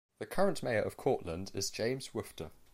The current mayor of Cortland is James Woofter.